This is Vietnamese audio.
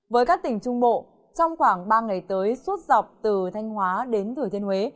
với các tỉnh trung bộ trong khoảng ba ngày tới suốt dọc từ thanh hóa đến thừa thiên huế